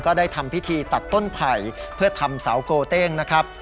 ได้ทำพิธีตัดต้นไผ่เพื่อทำเสาโกเต้งนะครับ